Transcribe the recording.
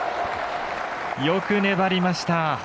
よく粘りました。